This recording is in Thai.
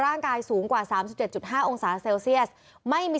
ร่างกายสูงกว่าสามสิบเจ็ดจุดห้าองศาเซลเซีเอสไม่มี